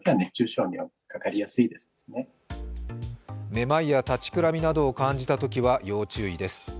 めまいや立ちくらみなどを感じたときは要注意です。